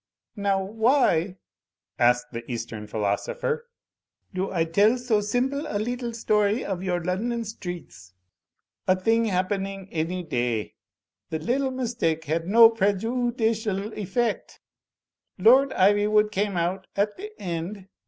"Now, why," asked the Eastern philosopher, "do I tell so simple a little story of your London streets — 2l Digitized by CjOOQ IC 82 THE FLYING INN thing happening any day? The little mistake had no preju udicial effect. Lord Ivywood came out, at the end.